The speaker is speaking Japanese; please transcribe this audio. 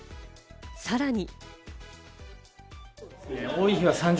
さらに。